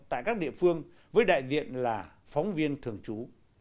tại các địa phương với đại diện là phóng viên thường trú